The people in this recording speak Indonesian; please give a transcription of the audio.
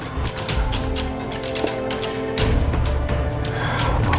bangun susu goreng